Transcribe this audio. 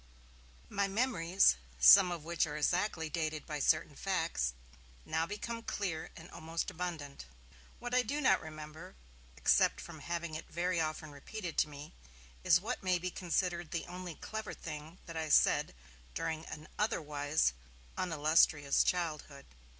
My memories, some of which are exactly dated by certain facts, now become clear and almost abundant. What I do not remember, except from having it very often repeated to me, is what may be considered the only 'clever' thing that I said during an otherwise unillustrious childhood.